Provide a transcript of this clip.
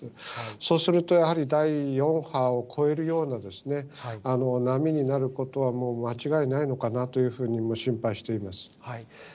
そうするとやはり、第４波を超えるような、波になることはもう間違いないのかなというふうに心配しています。